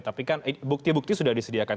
tapi kan bukti bukti sudah disediakan